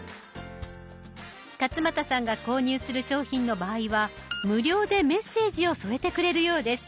勝俣さんが購入する商品の場合は無料でメッセージを添えてくれるようです。